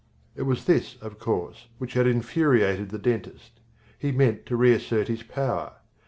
It was this, of course, which had infuriated the dentist. He meant to reassert his power.